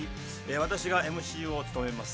私がＭＣを務めます